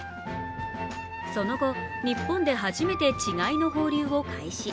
その後、日本で初めて稚貝の放流を開始。